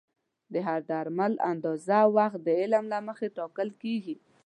د هر درمل اندازه او وخت د علم له مخې ټاکل کېږي.